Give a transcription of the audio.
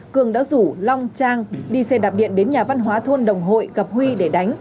cường đã rủ long trang đi xe đạp điện đến nhà văn hóa thôn đồng hội gặp huy để đánh